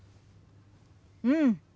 うん。